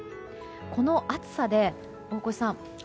この暑さで、大越さん